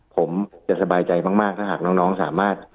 ผมจะสบายใจมากถ้าหากน้องสามารถ